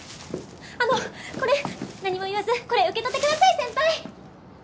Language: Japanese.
あのこれ何も言わずこれ受け取ってください先輩！